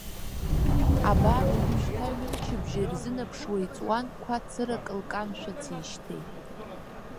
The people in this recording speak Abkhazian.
Абар уажәшьҭа ҩымчыбжьа ирзынаԥшуа иҵуан қәа цырак лкамшәацижьҭеи.